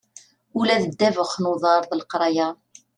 Ula d ddabex n uḍar d leqraya.